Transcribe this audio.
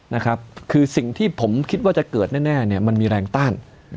นะครับคือสิ่งที่ผมคิดว่าจะเกิดแน่เนี่ยมันมีแรงต้าน